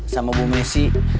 sama bu messi